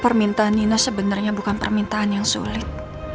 permintaan nina sebenarnya bukan permintaan yang sulit